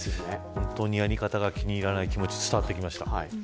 本当にやり方が気に入らない気持ちが伝わってきました。